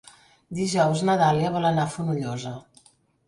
Dijous na Dàlia vol anar a Fonollosa.